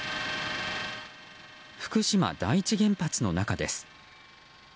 福島第一原発の中です。